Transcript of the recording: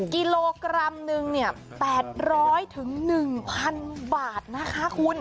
กิโลกรัมหนึ่งเนี่ย๘๐๐ถึง๑๐๐๐บาทนะคะคุณ